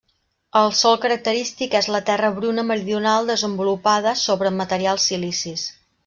El sòl característic és la terra bruna meridional desenvolupada sobre materials silicis.